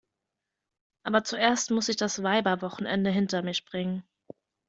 Aber zuerst muss ich das Weiberwochenende hinter mich bringen.